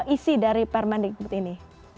isi dari permendikbud ini